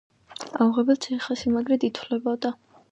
აუღებელ ციხესიმაგრედ ითვლებოდა.